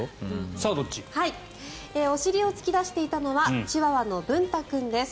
お尻を突き出していたのはチワワのぶんた君です。